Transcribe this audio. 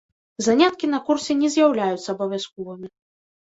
Заняткі на курсе не з'яўляюцца абавязковымі.